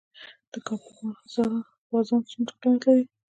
د کابل بازان څومره قیمت لري؟